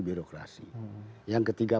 birokrasi yang ketiga